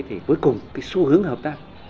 thì cuối cùng cái xu hướng hợp tác